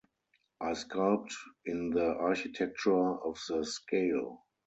I sculpt in the architecture of the scale.